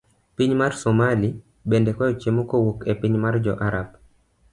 Piny mar somali bende kwayo chiemo kowuok epiny mar jo Arab.